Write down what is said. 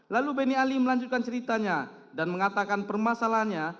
lalu benny ali melanjutkan ceritanya dan mengatakan permasalahannya